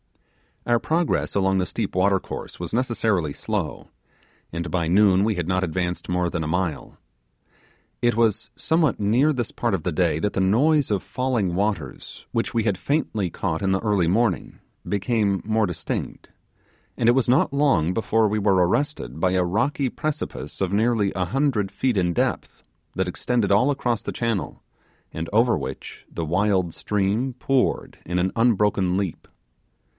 Our progress along the steep watercourse was necessarily slow, and by noon we had not advanced more than a mile. It was somewhere near this part of the day that the noise of falling waters, which we had faintly caught in the early morning, became more distinct; and it was not long before we were arrested by a rocky precipice of nearly a hundred feet in depth, that extended all across the channel, and over which the wild stream poured in an unbroken leap.